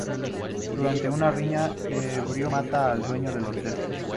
Durante una riña ebrio mata al dueño de un hotel.